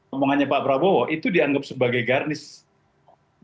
omongannya pak prabowo itu dianggap sebagai garnish